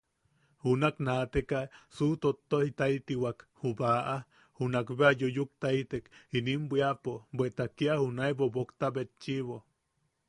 Junak naateka suʼutottojitaitiwak Ju baʼa, junak bea yuyuktaitek inim bwiapo, bweta kia junae bobokta betchiʼibo.